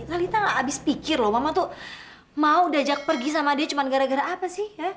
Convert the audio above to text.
salita gak habis pikir loh mama tuh mau dajak pergi sama dia cuman gara gara apa sih ya